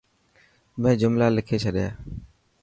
مين جملا لکي ڇڏيا.